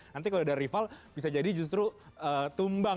nanti kalau ada rival bisa jadi justru tumbang